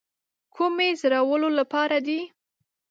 کومې زړولو لپاره دي.